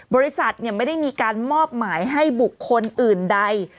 บริษัทไม่ได้มีการมอบหมายให้บุคคลอื่นใด